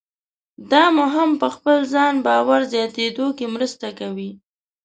دا مو هم په خپل ځان باور زیاتېدو کې مرسته کوي.